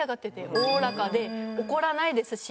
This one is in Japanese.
おおらかで怒らないですし。